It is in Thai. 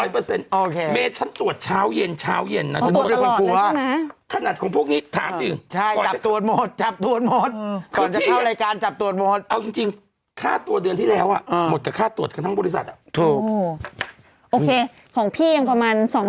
พวกเราเป็นผู้ชายหน้าตาเหล่าอย่างน้องใครนั้น